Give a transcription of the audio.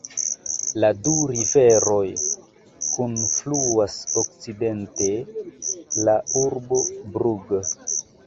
La du riveroj kunfluas okcidente de la urbo Brugg.